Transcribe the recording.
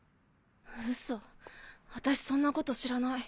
ウソ私そんなこと知らない。